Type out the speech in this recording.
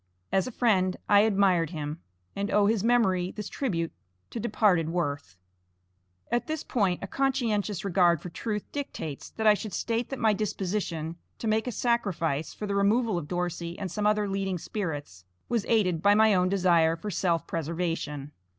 As a friend I admired him, and owe his memory this tribute to departed worth. At this point a conscientious regard for truth dictates that I should state that my disposition to make a sacrifice for the removal of Dorsey and some other leading spirits was aided by my own desire for _self preservation.